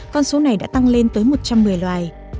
con số này đã tăng lên tới một trăm một mươi loài